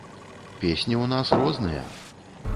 Песні ў нас розныя!